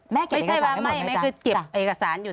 ไม่ใช่ว่าไม่แม่คือเก็บเอกสารอยู่